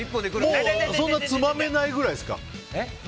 もうそんなつまめないくらいですか。